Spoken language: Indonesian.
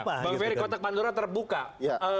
bang ferry kotak pandora terbuka